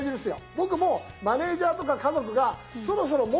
僕もマネージャーとか家族がそろそろ持って下さいと。